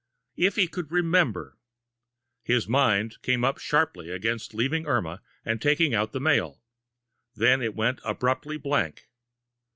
If he could remember! His mind came up sharply against leaving Irma and taking out the mail; then it went abruptly blank.